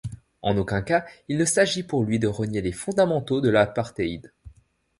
En aucun cas, il ne s'agit pour lui de renier les fondamentaux de l'apartheid.